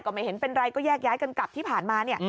ไม่เห็นเป็นไรก็แยกย้ายกันกลับที่ผ่านมาเนี่ย